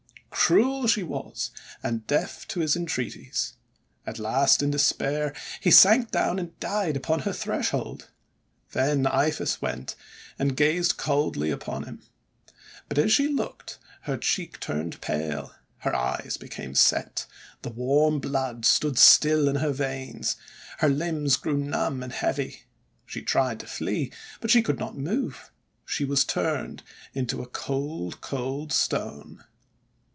;< Cruel she was, and deaf to his entreaties. At last in despair he sank down and died upon her threshold. Then Iphis went and gazed coldly upon him. But as she looked her cheek turned pale, her eyes became set, the warm blood stood still in her veins, her limbs grew numb and heavy. She tried to flee, but she could not move. She was turned into a cold, cold stone!